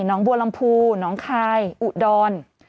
น้องบัวลำพูน้องคายอุดร